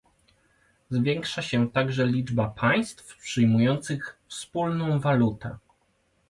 Zwiększa się także liczba państw przyjmujących wspólna walutę